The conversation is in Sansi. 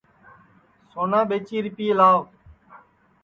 سونا ٻیچی رِپئے لاو